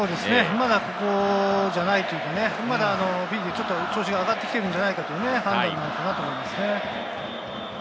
まだここじゃないというか、ビーディ、調子が上がってきてるんじゃないかという判断だと思いますね。